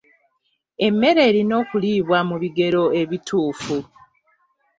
Emmere erina okuliibwa mu bigero ebituufu.